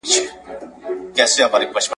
افغاني لښکر ماته کوي.